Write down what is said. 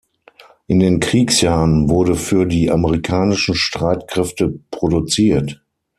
In den Kriegsjahren wurde für die amerikanischen Streitkräfte produziert.